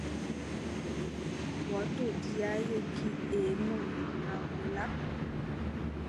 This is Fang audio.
Wa to dia ye kî e mo ñgura awela ?